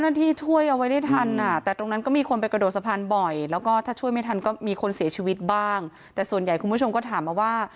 ที่ช่วยเอาไว้ได้ทันอ่ะแต่ตรงนั้นก็มีคนไปกระโดดสะพานบ่อยแล้วก็ถ้าช่วยไม่ทันก็มีคนเสียชีวิตบ้างแต่ส่วนใหญ่คุณผู้ชมก็ถามมาว่า